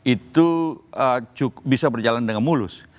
itu bisa berjalan dengan mulus